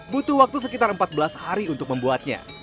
butuh waktu sekitar empat belas hari untuk membuatnya